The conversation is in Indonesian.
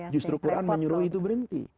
justru quran menyuruh itu berhenti